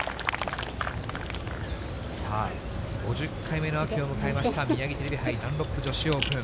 さあ、５０回目の秋を迎えましたミヤギテレビ杯ダンロップ女子オープン。